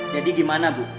jadi gimana bu